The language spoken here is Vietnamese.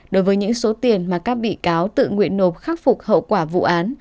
đối với những số tiền mà các bị cáo tự nguyện nộp khắc phục hậu quả vụ án